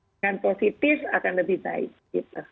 yang positif akan lebih baik